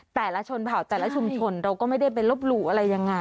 แต่ละชนเผ่าแต่ละชุมชนเราก็ไม่ได้ไปลบหลู่อะไรยังไง